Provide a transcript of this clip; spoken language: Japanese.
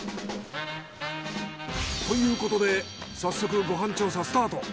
ということで早速ご飯調査スタート。